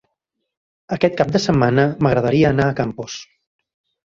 Aquest cap de setmana m'agradaria anar a Campos.